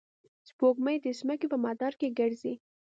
سپوږمۍ د ځمکې په مدار کې ګرځي.